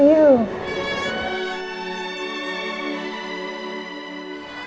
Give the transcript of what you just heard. terima kasih ria